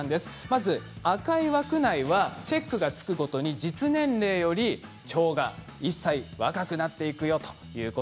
まず赤い枠内はチェックがつくごとに実年齢より腸が１歳若くなっていくよということなんです。